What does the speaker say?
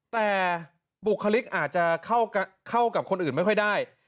แต่บุคลิกอาจจะเข้ากับคนอื่นไม่ค่อยได้